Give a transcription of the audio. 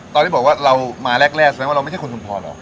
ตอนที่บอกว่าเรามาแรกแสดงว่าเราไม่ใช่คนชุมพรเหรอ